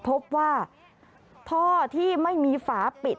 พบว่าท่อที่ไม่มีฝาปิด